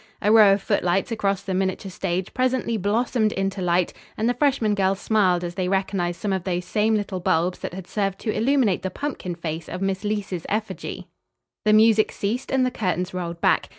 A row of footlights across the miniature stage presently blossomed into light, and the freshman girls smiled as they recognized some of those same little bulbs that had served to illuminate the pumpkin face of Miss Leece's effigy. The music ceased and the curtains rolled back.